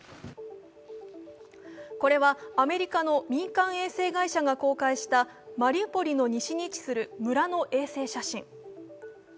これはアメリカの民間衛星会社が公開したマリウポリの西に位置する村の衛星写真。